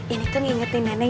ini tuh ngingetin nenek